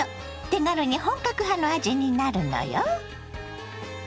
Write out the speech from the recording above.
手軽に本格派の味になるのよ。